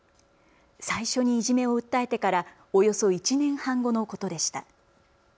最初にいじめを訴えてからおよそ１年半後のことでした。